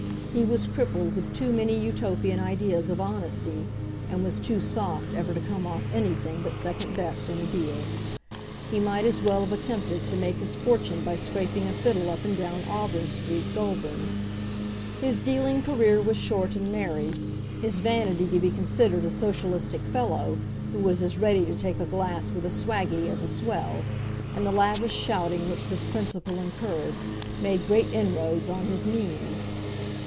He was crippled with too many Utopian ideas of honesty, and was too soft ever to come off anything but second best in a deal. He might as well have attempted to make his fortune by scraping a fiddle up and down Auburn Street, Goulburn. His dealing career was short and merry. His vanity to be considered a socialistic fellow, who was as ready to take a glass with a swaggie as a swell, and the lavish shouting which this principle incurred, made great inroads on his means.